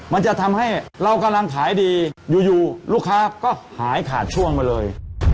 มันจะทำให้เรากำลังขายดีอยู่ลูกค้าก็หายขาดช่วงมาเลย